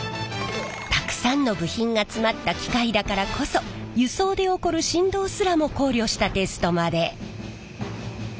たくさんの部品が詰まった機械だからこそ輸送で起こる振動すらも考慮したテストまで。